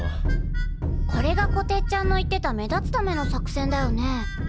これがこてっちゃんの言ってた目立つための作戦だよね。